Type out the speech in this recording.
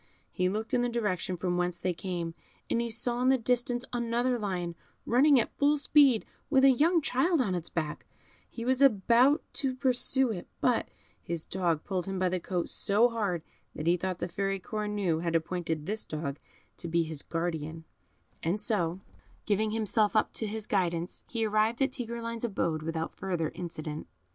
He looked in the direction from whence they came, and he saw in the distance another lion, running at full speed, with a young child on its back; he was about to pursue it, but his dog pulled him by the coat so hard that he thought the Fairy Cornue had appointed this dog to be his guardian, and so, giving himself up to his guidance, he arrived at Tigreline's abode without further accident.